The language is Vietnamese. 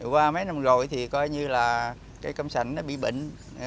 qua mấy năm rồi thì coi như là cây cam sành nó bị bệnh